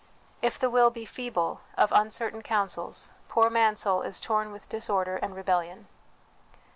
If the will be feeble, of uncertain counsels, poor Mansoul is torn with disorder and rebellion.